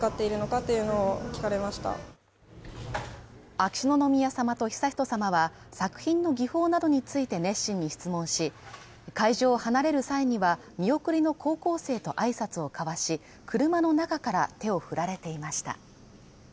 秋篠宮さまと悠仁さまは作品の技法などについて熱心に質問し、会場を離れる際には見送りの高校生と挨拶を交わし、車の中から手を振られていました。